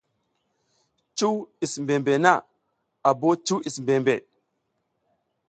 Cuw is mbembe na a bo cuw is mbembe.